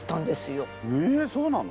えそうなの？